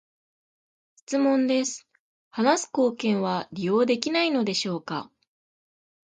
質問です、話す貢献は利用できないのでしょうか？